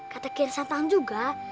kata kian santang juga